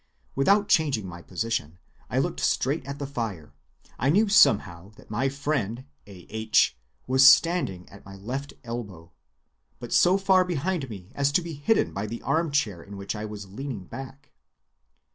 Without changing my position, and looking straight at the fire, I knew somehow that my friend A. H. was standing at my left elbow, but so far behind me as to be hidden by the armchair in which I was leaning back.